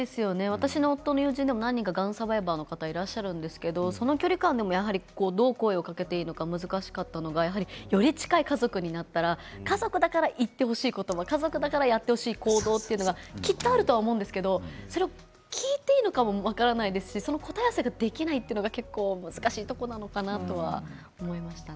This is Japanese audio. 私の夫の友人でも何人かがんサバイバーの方がいらっしゃいますがどう声をかけていいのか難しかったのがより近い家族になったら家族だから言ってほしい言葉家族だからやってほしい行動というのがきっとあると思うんですけれど聞いていいのかも分からないですし答えすらできないというのは難しいところなのかなと思いますね。